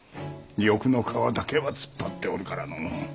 欲の皮だけは突っ張っておるからの。